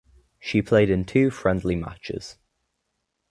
She played in two friendly matches.